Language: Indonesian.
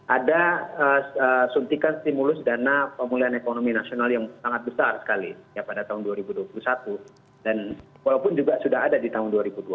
ada suntikan stimulus dana pemulihan ekonomi nasional yang sangat besar sekali pada tahun dua ribu dua puluh satu dan walaupun juga sudah ada di tahun dua ribu dua puluh